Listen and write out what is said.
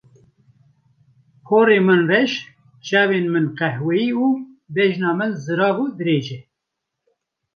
Porê min reş, çavên min qehweyî û bejna min zirav û dirêj e.